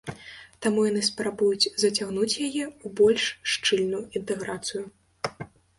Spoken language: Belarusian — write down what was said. Таму яны спрабуюць зацягнуць яе ў больш шчыльную інтэграцыю.